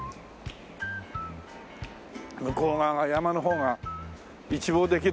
向こう側が山の方が一望できるね。